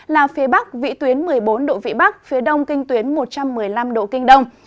là phía bắc vị tuyến một mươi bốn độ vĩ bắc phía đông kinh tuyến một trăm một mươi năm độ kinh đông